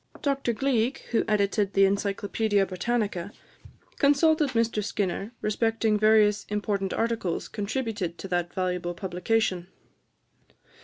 Dr Gleig, who edited the Encyclopædia Britannica, consulted Mr Skinner respecting various important articles contributed to that valuable publication.